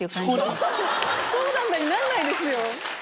「そうなんだ」になんないですよ！